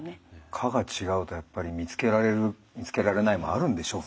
科が違うとやっぱり見つけられる見つけられないもあるんでしょうね。